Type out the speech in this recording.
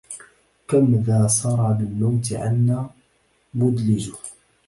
كم ذا سرى بالموت عنا مدلج